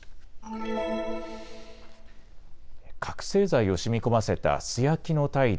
覚醒剤をしみこませた素焼きのタイル